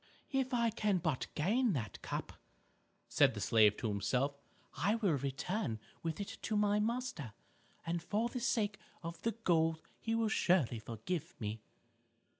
"If I can but gain that cup," said the slave to himself, "I will return with it to my master, and for the sake of the gold he will surely forgive me."